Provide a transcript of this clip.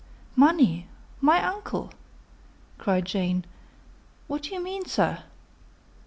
"Money! my uncle!" cried Jane, "what do you mean, sir?"